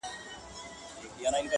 پر دې لاره به یې سل ځلی وه وړي!.